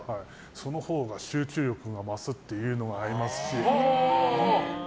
そのほうが集中力が増すっていうのもありますし。